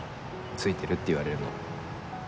ツイてるって言われるの。